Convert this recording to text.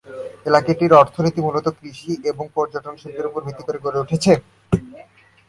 এলাকাটির অর্থনীতি মূলতঃ কৃষি এবং পর্যটন শিল্পের উপর ভিত্তি করে গড়ে উঠেছে।